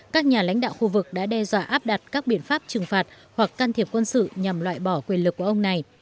các nhà lãnh đạo khu vực đã đe dọa áp đặt các biện pháp trừng phạt hoặc can thiệp quân sự nhằm loại bỏ quyền lực của ông này